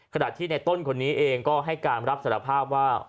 ขณะที่ในต้นคนนี้เองก็ให้การรับสารภาพว่า